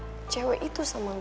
gak cerita soal cewek itu sama gue